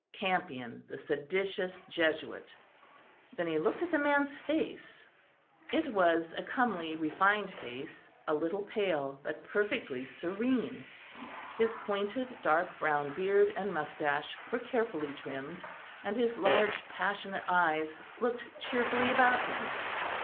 "Campion, the Seditious Jesuit." Then he looked at the man's face. It was a comely refined face, a little pale but perfectly serene: his pointed dark brown beard and moustache were carefully trimmed; and his large passionate eyes looked cheerfully about him.